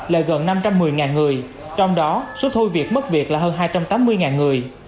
là gần năm trăm một mươi người trong đó số thôi việc mất việc là hơn hai trăm tám mươi người